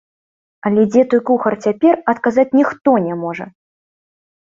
Але дзе той кухар цяпер, адказаць ніхто не можа!